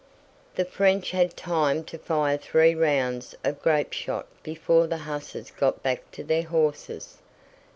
The French had time to fire three rounds of grapeshot before the hussars got back to their horses.